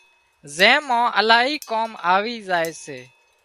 زين مان الاهي ڪام آوِي زائي سي